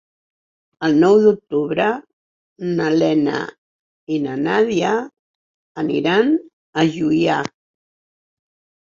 El nou d'octubre na Lena i na Nàdia iran a Juià.